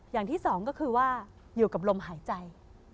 อย่างที่สองก็คือว่าอยู่กับลมหายใจ